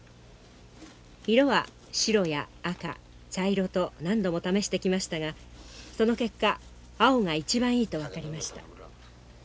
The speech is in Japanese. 色は白や赤茶色と何度も試してきましたがその結果青が一番いいと分かりました。